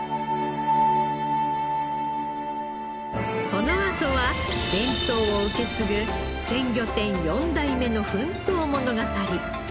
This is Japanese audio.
このあとは伝統を受け継ぐ鮮魚店４代目の奮闘物語。